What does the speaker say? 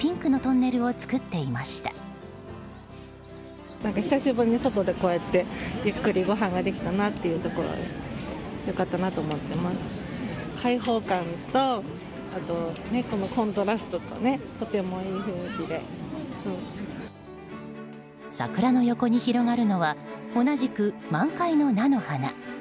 桜の横に広がるのは同じく満開の菜の花。